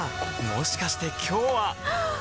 もしかして今日ははっ！